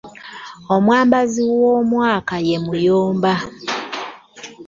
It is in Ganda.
Omwambazi w'omwaka ye Muyomba.